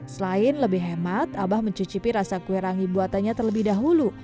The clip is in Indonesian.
selain lebih hemat abah mencucipi rasa kwerangi buatannya terlebih dahulu